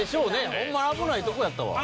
ホンマに危ないとこやったわ。